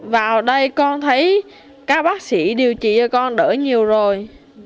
vào đây con thấy các bác sĩ điều trị cho con đỡ nhiều rồi